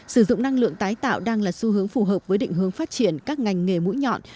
sử dụng năng lượng tái tạo đang là xu hướng phù hợp với định hướng phát triển các ngành nghề mũi nhọn